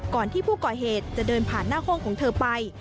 ก่อนที่ผู้ก่อเหตุจะเดินผ่านหน้าห้องของเธอไป